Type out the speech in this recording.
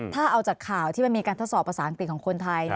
ถ้าเอาจากข่าวที่มันมีการทดสอบภาษาอังกฤษของคนไทย